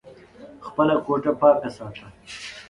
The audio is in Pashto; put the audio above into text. خپله کوټه پاکه ساته !